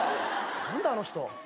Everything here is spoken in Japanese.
何だあの人。